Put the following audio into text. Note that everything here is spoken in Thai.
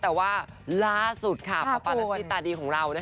แต่ว่าล่าสุดค่ะปรากฏที่ตลาดีของเรา